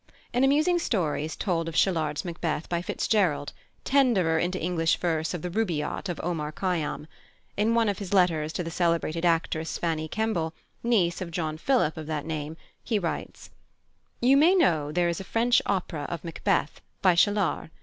An amusing story is told of Chelard's Macbeth by FitzGerald, Tenderer into English verse of the Rubáiyát of Omar Khayyám. In one of his letters to the celebrated actress, Fanny Kemble, niece of John Philip of that name, he writes: "You may know there is a French opera of Macbeth, by Chelard.